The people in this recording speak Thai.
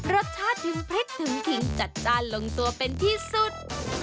รสชาติถึงพริกถึงขิงจัดจ้านลงตัวเป็นที่สุด